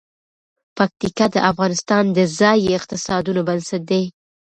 پکتیکا د افغانستان د ځایي اقتصادونو بنسټ دی.